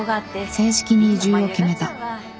正式に移住を決めた。